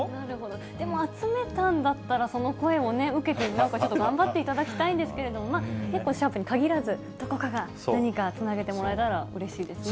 でも集めたんだったらば、その声を受けて、なんかちょっと頑張っていただきたいんですけれども、結構、シャープに限らず、どこかが何かつなげてもらえたら、うれしいですね。